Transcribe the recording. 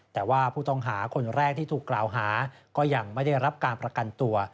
แต่ว่าผู้ต้องหาคนแรกที่ถูกกล่าวหาก็ยังไม่ได้รับการประกันตัว